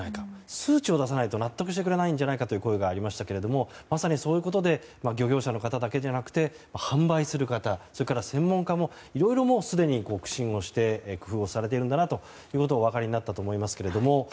数値を出さないと納得してくれないんじゃないかという声がありましたけどまさにそういうことで漁業者の方だけではなくて販売する方それから専門家もいろいろすでに苦心をして工夫をされているんだなということをお分かりになったと思いますけど。